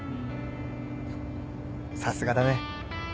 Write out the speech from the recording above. さすがだね